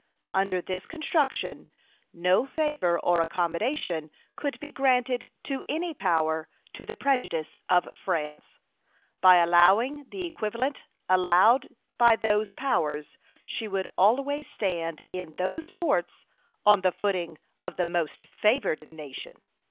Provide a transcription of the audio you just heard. Under this construction no favor or accommodation could be granted to any power to the prejudice of France. By allowing the equivalent allowed by those powers she would always stand in those ports on the footing of the most favored nation.